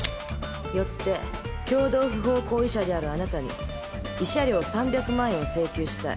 よって共同不法行為者であるあなたに慰謝料３００万円を請求したい。